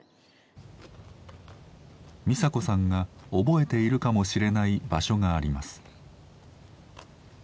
ミサ子さんが覚えているかもしれない場所があります。